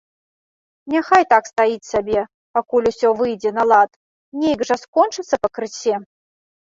Няхай так стаіць сабе, пакуль усё выйдзе на лад, нейк жа скончыцца пакрысе.